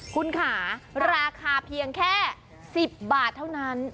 คุณค่ะราคาเพียงแค่๑๐บาทเท่านั้น